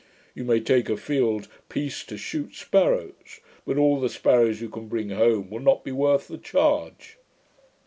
You may take a field piece to shoot sparrows; but all the sparrows you can bring home will not be worth the charge.'